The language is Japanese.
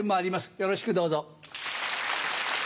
よろしくどうぞ。